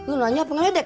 eh lu nanya apa ngeledek